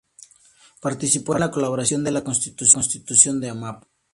Participó en la colaboración de la Constitución de Amapá.